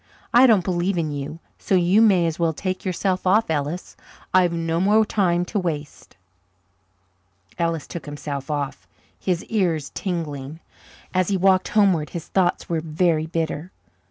I don't believe in you, so you may as well take yourself off, Ellis. I've no more time to waste." Ellis took himself off, his ears tingling. As he walked homeward his thoughts were very bitter.